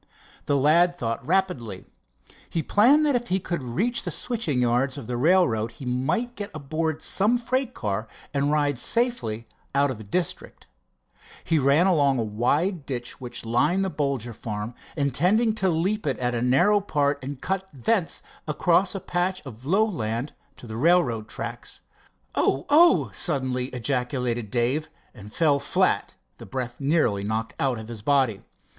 The lad thought rapidly. He planned that if he could reach the switching yards of the railroad, he might get aboard some freight car and ride safely out of the district. He ran along a wide ditch which lined the Bolger farm, intending to leap it at a narrow part and cut thence across a patch of low land to the railroad tracks. "O—oh!" suddenly ejaculated Dave, and fell flat, the breath nearly knocked out of his body.